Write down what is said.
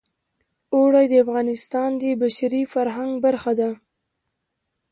اوړي د افغانستان د بشري فرهنګ برخه ده.